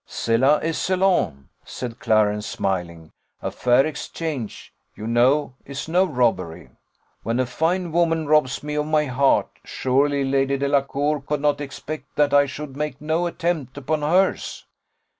"Cela est selon!" said Clarence smiling; "a fair exchange, you know, is no robbery. When a fine woman robs me of my heart, surely Lady Delacour could not expect that I should make no attempt upon hers."